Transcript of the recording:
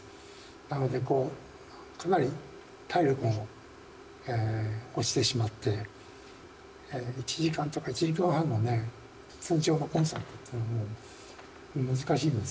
なのでかなり体力も落ちてしまって１時間とか１時間半のね通常のコンサートっていうのはもう難しいんですよね。